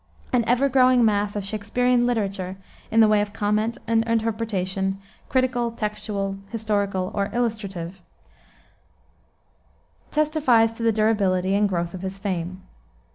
An ever growing mass of Shaksperian literature, in the way of comment and interpretation, critical, textual, historical, or illustrative, testifies to the durability and growth of his fame.